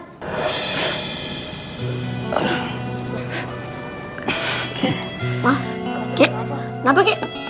hah kakek kenapa kakek